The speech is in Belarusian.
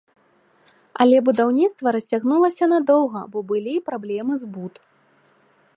Але будаўніцтва расцягнулася надоўга, бо былі праблемы з буд.